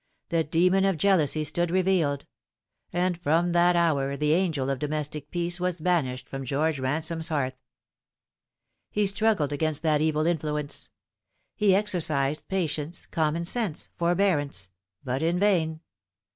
The demon of jealousy stood revealed ; and from that hour the angel of domestic peace was banished from George Ransome's hearth. He struggled against that evil influence, fie exercised patience, common sense, forbearance ; but in vain.